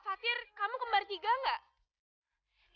fatir kamu kembar jiga gak